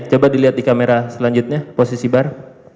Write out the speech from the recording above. coba dilihat di kamera selanjutnya posisi bar